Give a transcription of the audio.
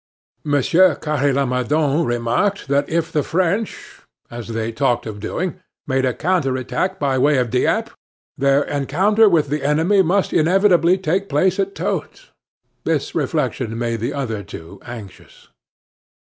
Monsieur Carre Lamadon remarked that if the French, as they talked of doing, made a counter attack by way of Dieppe, their encounter with the enemy must inevitably take place at Totes. This reflection made the other two anxious.